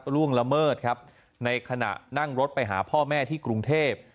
ล่วงละเมิดครับในขณะนั่งรถไปหาพ่อแม่ที่กรุงเทพ